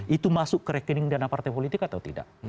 itu masuk ke rekening dana partai politik atau tidak